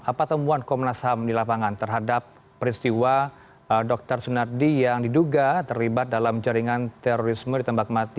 apa temuan komnas ham di lapangan terhadap peristiwa dr sunardi yang diduga terlibat dalam jaringan terorisme ditembak mati